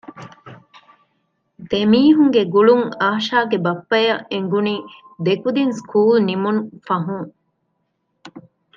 ދެމީހުންގެ ގުޅުން އާޝާގެ ބައްޕައަށް އެނގުނީ ދެކުދިން ސްކޫލް ނިމުން ފަހުން